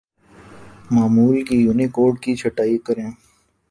معمول کے یونیکوڈ کی چھٹائی کریں